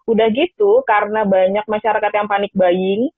udah gitu karena banyak masyarakat yang panik buying